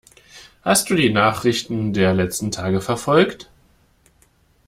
Hast du die Nachrichten der letzten Tage verfolgt?